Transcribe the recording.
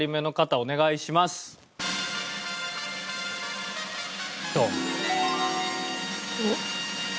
おっ。